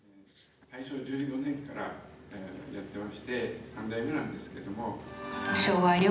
大正１４年からやってまして三代目なんですけど。